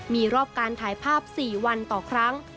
มีรอบการถ่ายภาพ๔วันต่อครั้ง